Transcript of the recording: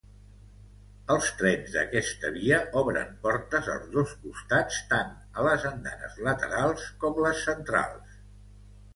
Els trens d'aquesta via obren portes als dos costats tant a les andanes laterals com les centrals.